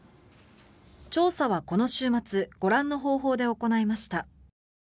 調査はこの週末ご覧の方法で行いました。